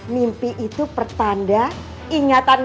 mimpi itu pertanda ingatanmu